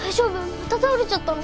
また倒れちゃったの？